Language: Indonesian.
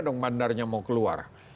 dong bandarnya mau keluar